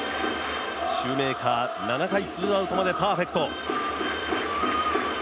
シューメーカー７回ツーアウトまでパーフェクト。